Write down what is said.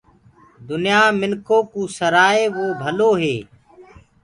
دنيآ منکُ ڪوُ سرآئي وو ڀلو هي۔